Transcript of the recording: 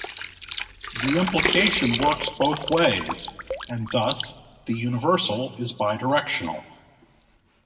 The implication works both ways, and thus the universal is bidirectional.